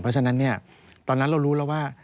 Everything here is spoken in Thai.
เพราะฉะนั้นตอนนั้นเรารู้แล้วว่า